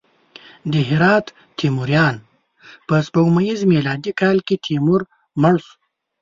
د هرات تیموریان: په سپوږمیز میلادي کال کې تیمور مړ شو.